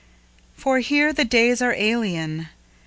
For here the days are alien.